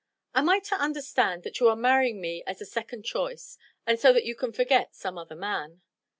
"Am I to understand that you are marrying me as a second choice, and so that you can forget some other man?"